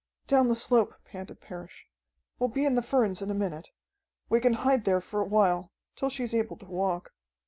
"Down the slope," panted Parrish. "We'll be in the ferns in a minute. We can hide there for a while, till she's able to walk.